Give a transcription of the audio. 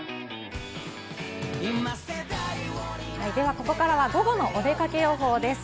ここからはゴゴのお出かけ予報です。